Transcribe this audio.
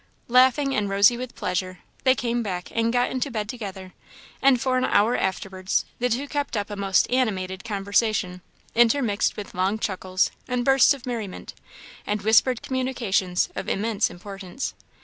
Laughing, and rosy with pleasure, they came back and got into bed together; and for an hour afterwards the two kept up a most animated conversation, intermixed with long chuckles and bursts of merriment, and whispered communications of immense importance.